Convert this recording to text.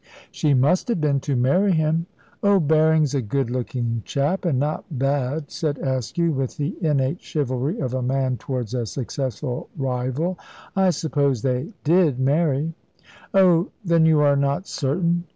"She must have been, to marry him." "Oh, Berring's a good looking chap, and not bad," said Askew, with the innate chivalry of a man towards a successful rival. "I suppose they did marry." "Oh! Then you are not certain?"